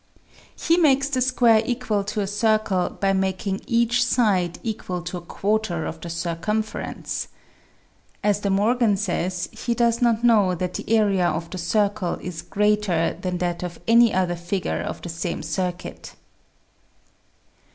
He makes the square equal to a circle by making each side equal to a quarter of the circumference. As De Morgan says, he does not know that the area of the circle is greater than that of any other figure of the same cir cuit.